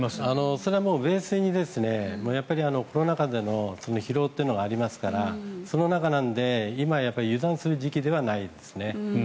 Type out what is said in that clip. それはベースにコロナ禍での疲労というのがありますからその中なので、今油断する時期ではないですね。